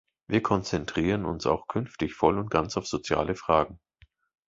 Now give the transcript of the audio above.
Wir konzentrieren uns auch künftig voll und ganz auf soziale Fragen.